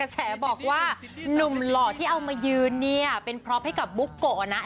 แฉบอกว่าหนุ่มหล่อที่เอามายืนเนี่ยเป็นพร็อปให้กับบุ๊กโกะนะ